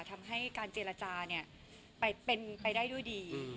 ทำให้การเจรจาเนี่ยเป็นไปได้ด้วยดี